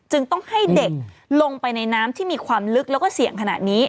ต้องให้เด็กลงไปในน้ำที่มีความลึกแล้วก็เสี่ยงขนาดนี้